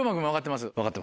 分かってます。